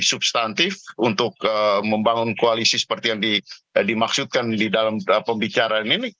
substantif untuk membangun koalisi seperti yang dimaksudkan di dalam pembicaraan ini